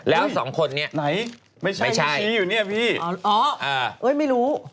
แล้ว๒คนนี้ไม่ใช่อ๋อไม่รู้